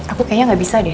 aku kayaknya gak bisa deh